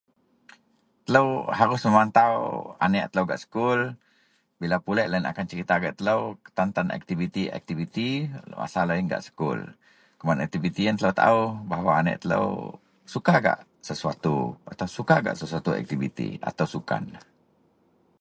Telou harus memantau aneak telou gak sekul, bila pulek loyen akan cerita gak telou ketantan aktiviti-aktiviti masa loyen gak sekul. Kuman aktiviti yen telou taao bahwa aneak telou suka gak sesuatu atau suka gak sesuatu aktiviti atau sukan